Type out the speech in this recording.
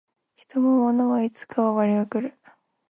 人も物もいつかは終わりが来る